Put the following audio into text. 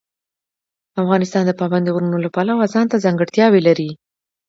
افغانستان د پابندي غرونو له پلوه ځانته ځانګړتیاوې لري.